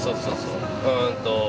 うんと。